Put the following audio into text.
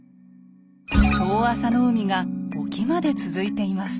遠浅の海が沖まで続いています。